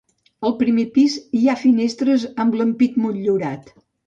Al primer pis hi ha finestres amb l'ampit motllurat.